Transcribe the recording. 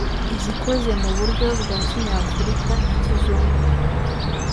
izikoze mu buryo bwa kinyafurika na kizungu